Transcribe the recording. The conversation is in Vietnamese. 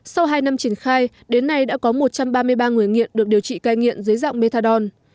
sau hai năm triển khai đến nay đã có một trăm ba mươi ba người nghiện được điều trị cai nghiện dưới dạng methadon